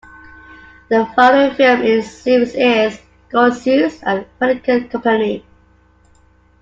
The following film in the series is "Goltzius and the Pelican Company".